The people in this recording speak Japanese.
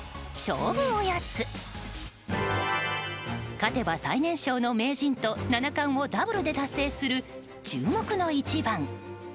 勝てば最年少の名人と七冠をダブルで達成する注目の一番。